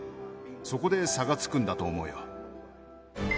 そこで差がつくんだと思うよ。